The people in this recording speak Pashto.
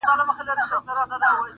پۀ دې لاره چې ځــــمه ډېوه مړه راتېرٶم